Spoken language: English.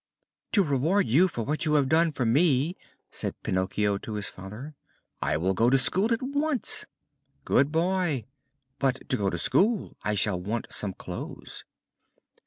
"To reward you for what you have done for me," said Pinocchio to his father, "I will go to school at once." "Good boy." "But to go to school I shall want some clothes."